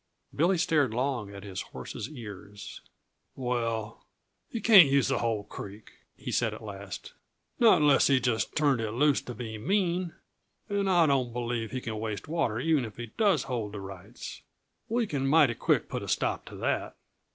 Billy stared long at his horse's ears. "Well, he can't use the whole creek," he said at last, "not unless he just turned it loose to be mean, and I don't believe he can waste water even if he does hold the rights. We can mighty quick put a stop to that.